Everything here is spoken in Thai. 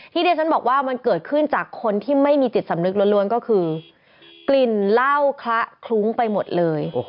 ที่ที่ฉันบอกว่ามันเกิดขึ้นจากคนที่ไม่มีจิตสำนึกล้วนก็คือกลิ่นเหล้าคละคลุ้งไปหมดเลย